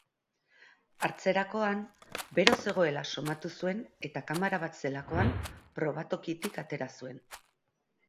Hartzerakoan, bero zegoela somatu zuen eta kamara bat zelakoan probatokitik atera zuen.